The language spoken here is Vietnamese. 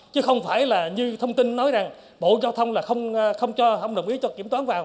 chứ không phải là như thông tin nói rằng bộ giao thông không đồng ý cho kiểm toán vào